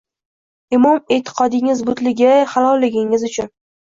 – Imon-e’tiqodingiz butligi, halolligingiz uchun.